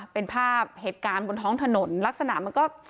เป็นภาพเหตุการณ์บนท้องถนนลักษณะมันก็